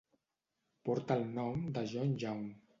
Porta el nom de John Young.